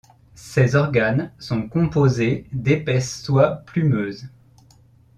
Ces organes sont composés d'épaisses soies plumeuses.